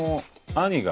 兄が。